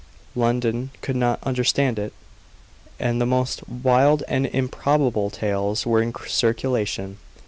London could not understand it; and the most wild and improbable tales were in circulation.